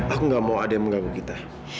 aku gak mau ada yang mengganggu kita